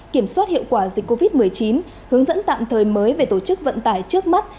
kiểm soát hiệu quả dịch covid một mươi chín hướng dẫn tạm thời mới về tổ chức vận tải trước mắt